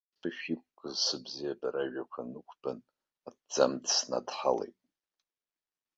Сԥышә иқәкыз сыбзиабара ажәақәа нықәбан, аҭӡамц снадҳалеит.